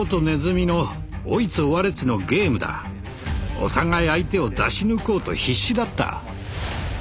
お互い相手を出し抜こうと必死だった。